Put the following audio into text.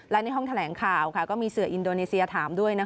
และในห้องแถลงข่าวก็มีเสืออินโดนีเซียถามด้วย